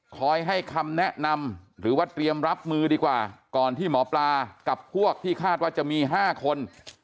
คอยให้คำแนะนำหรือว่าเตรียมรับมือดีกว่าก่อนที่หมอปลากับพวกที่คาดว่าจะมี๕คน